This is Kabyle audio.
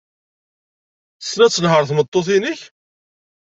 Tessen ad tenheṛ tmeṭṭut-nnek?